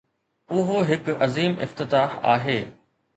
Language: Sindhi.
اهو هڪ عظيم افتتاح آهي.